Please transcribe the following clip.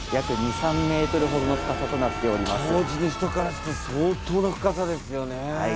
当時の人からして相当な深さですよね。